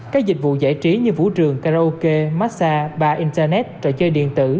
các dịch vụ giải trí như vũ trường karaoke massage ba internet trò chơi điện tử